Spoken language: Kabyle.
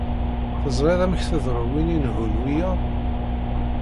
Teẓriḍ amek tḍerru win inehhun wiyaḍ?